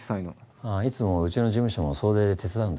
あぁいつもうちの事務所も総出で手伝うんだ。